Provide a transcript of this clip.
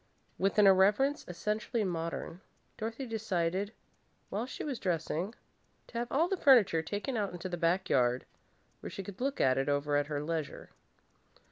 With an irreverence essentially modern, Dorothy decided, while she was dressing, to have all the furniture taken out into the back yard, where she could look it over at her leisure.